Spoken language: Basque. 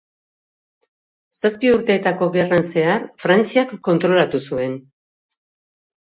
Zazpi urteetako gerran zehar, Frantziak kontrolatu zuen.